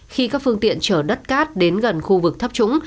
khi các phương tiện chở đất cát đến gần khu vực thấp trũng